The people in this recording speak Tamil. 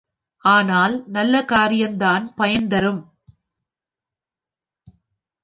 ஆனால் நல்ல காரியம்தான் பயன் தரும்.